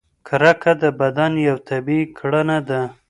کرکه د بدن یوه طبیعي کړنه ده.